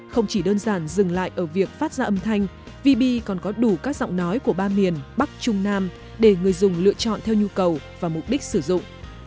không chỉ đơn giản dừng lại ở việc phát ra âm thanh vb còn có đủ các giọng nói của ba miền bắc trung nam để người dùng lựa chọn theo nhu cầu và mục đích sử dụng